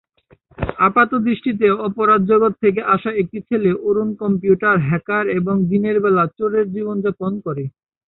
আপাতদৃষ্টিতে অপরাধ জগৎ থেকে আসা একটি ছেলে অরুণ কম্পিউটার হ্যাকার এবং দিনের বেলা চোরের জীবনযাপন করে।